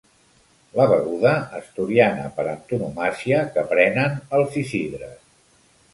La beguda, asturiana per antonomàsia, que prenen els Isidres.